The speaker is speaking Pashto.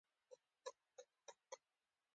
ویده انسان ته خوبونه نغوتې وي